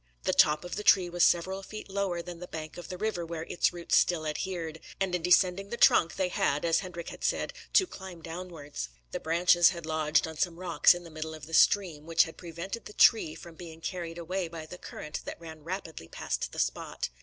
The top of the tree was several feet lower than the bank of the river where its roots still adhered; and in descending the trunk, they had, as Hendrik said, to "climb downwards." The branches had lodged on some rocks in the middle of the stream, which had prevented the tree from being carried away by the current that ran rapidly past the spot.